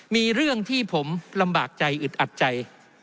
มีเรื่องที่ผมลำบากใจอึดอัดใจ